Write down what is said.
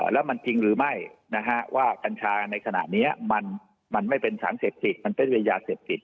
แล้วมันจริงหรือไม่ว่ากัญชาในขณะนี้มันไม่เป็นสารเสพติดมันเป็นยาเสพติด